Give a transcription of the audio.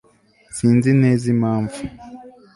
Sinzi neza impamvu